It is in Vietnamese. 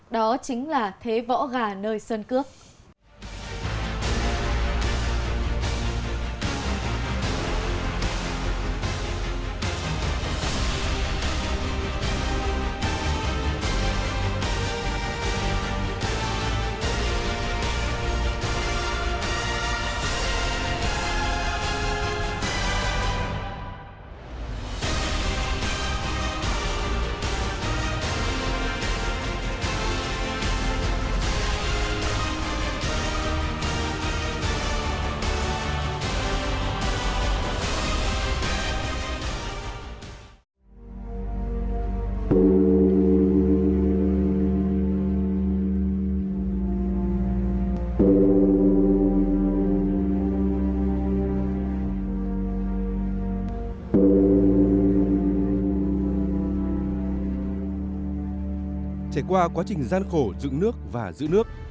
đó chính là thế võ gà nơi sơn cước